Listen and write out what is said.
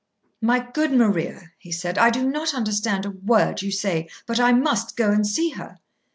"My good Maria," he said, "I do not understand a word you say, but I must go and see her."